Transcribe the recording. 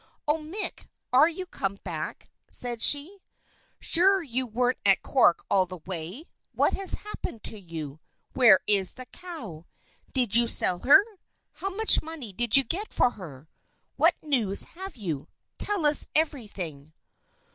"Oh! Mick, are you come back?" said she. "Sure you weren't at Cork all the way? What has happened to you? Where is the cow? Did you sell her? How much money did you get for her? What news have you? Tell us everything."